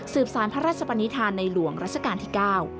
สารพระราชปนิษฐานในหลวงรัชกาลที่๙